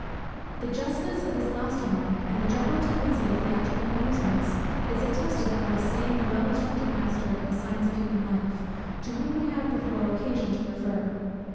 The justness of this last remark, and the general tendency of theatrical amusements, is attested by the same well instructed master in the science of human life, to whom we had before occasion to refer.